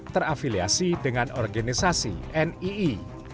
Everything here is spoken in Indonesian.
terafiliasi dengan organisasi nii